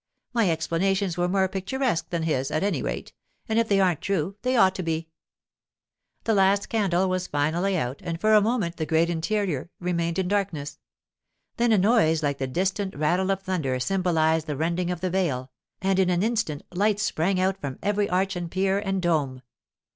My explanations were more picturesque than his, at any rate; and if they aren't true, they ought to be.' The last candle was finally out, and for a moment the great interior remained in darkness. Then a noise like the distant rattle of thunder symbolized the rending of the veil, and in an instant lights sprang out from every arch and pier and dome.